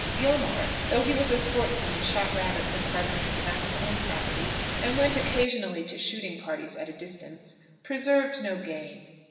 Gilmore, though he was a sportsman, and shot rabbits and partridges about his own property, and went occasionally to shooting parties at a distance, preserved no game.